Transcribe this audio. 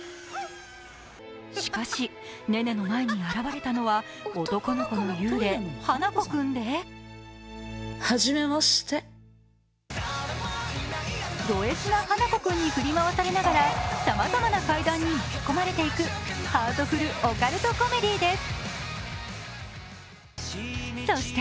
しかし、寧々の前に現れたのは男の子幽霊、花子くんでドＳな花子くんに振り回されながらさまざまな怪談にに巻き込まれていくハートフル・オカルトコメディーです。